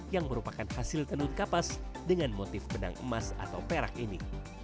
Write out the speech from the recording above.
yang merupakan hasil tenun kapas dengan motif benang emas atau perak ini